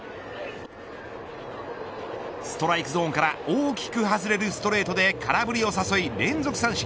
ストライクゾーンから大きく外れるストレートで空振りを誘い連続三振。